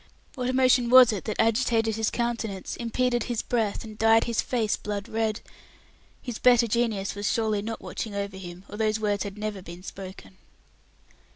What emotion was it that agitated his countenance, impeded his breath, and dyed his face blood red? His better genius was surely not watching over him, or those words had never been spoken.